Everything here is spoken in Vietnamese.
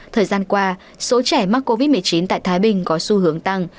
thời gian qua số trẻ mắc covid một mươi chín tại thái bình có xu hướng tăng